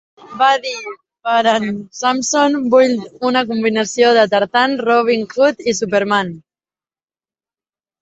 Va dir "per en Samson vull una combinació de Tarzan, Robin Hood i Superman".